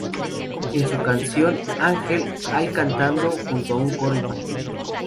En su canción "Angel", hay cantando junto a un coro infantil.